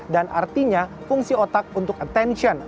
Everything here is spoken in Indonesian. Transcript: dan artinya fungsi otak untuk attention